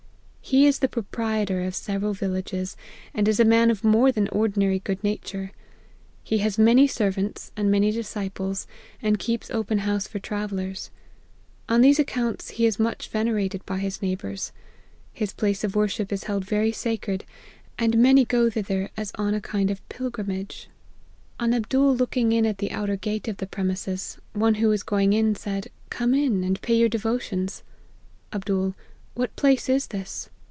He is the proprietor of several villages, and is a man of more than ordinary good nature He has many servants, and many disciples, and keeps open house for travellers. On these accounts he is much venerated by his neighbours. His place of worship is held very sacred, and many go thither as on a kind of pilgrimage. On Abdool APPENDIX. 215 Booking in at the outer gate of the premises, one who was going in said, * Come in, and pay your devotions.' " Md.< What place is this